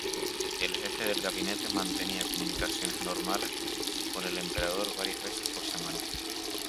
El jefe del gabinete mantenía comunicaciones normales con el emperador varias veces por semana.